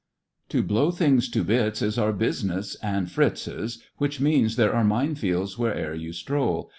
" To blow things to bits is our business {and Fritzs), Which means there are mine fields wher ever yon stroll.